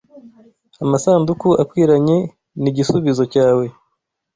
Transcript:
amasanduku akwiranye ni gisubizo cyawe